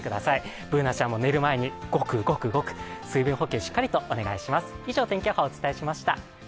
Ｂｏｏｎａちゃんも寝る前に、ごくごくごく、水分補給、しっかりお願いします。